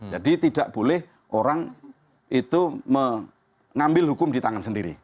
jadi tidak boleh orang itu mengambil hukum di tangan sendiri